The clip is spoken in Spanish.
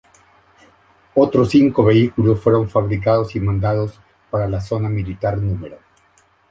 Otros cinco vehículos fueron fabricados y mandados para la Zona Militar No.